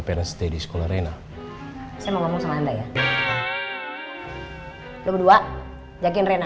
peristiwa di sekolah reina saya ngomong sama anda ya dua dua jagain reina